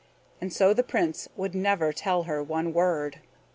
And so the Prince would never tell her one word.